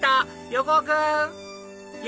横尾君！